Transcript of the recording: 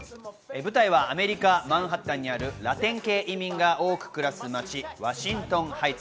舞台はアメリカ、マンハッタンにあるラテン系移民が多く暮らす町、ワシントン・ハイツ。